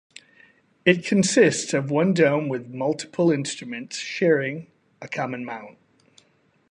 It consists of one dome with multiple instruments sharing a common mount.